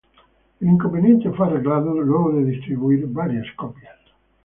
El inconveniente fue arreglado luego de distribuir varias copias.